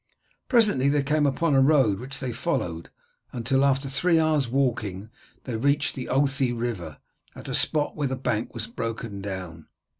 Presently they came upon a road, which they followed, until after three hours' walking they reached the Authie river, at a spot where the bank was broken down.